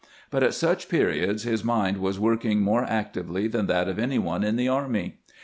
But at such periods his mind was working more actively than that of any one in the army.